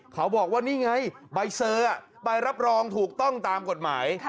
เขาบอกว่านี่ไงใบเซอร์ใบรับรองถูกต้องตามกฎหมาย